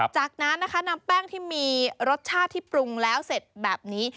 จากนั้นนะคะนำแป้งที่มีรสชาติที่ปรุงแล้วเสร็จแบบนี้